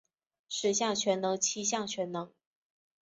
十项全能七项全能